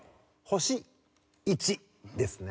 星１ですね。